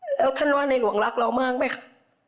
แล้วท่านว่าในหลวงรักเรามากไหมคะ